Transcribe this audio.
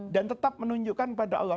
dan tetap menunjukkan pada allah